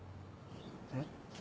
えっ？